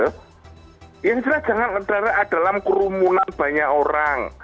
yang penting adalah jangan terjadi dalam kerumunan banyak orang